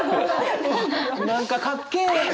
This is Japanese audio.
何かかっけえ！